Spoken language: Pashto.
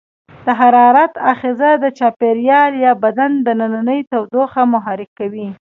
د حرارت آخذه د چاپیریال یا بدن دننۍ تودوخه محرک کوي.